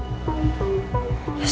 sekarang gini deh kalau adi detang kesini